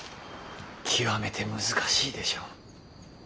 極めて難しいでしょう。